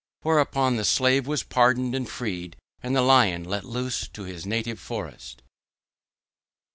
Whereupon the slave was pardoned and freed, and the Lion let loose to his native forest.